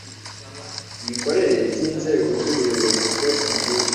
imikorere by inzego z ubuyobozi zose mugihugu